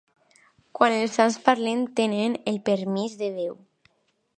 Quan els sants parlen, tenen el permís de Déu.